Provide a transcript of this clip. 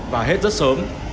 và hết rất sớm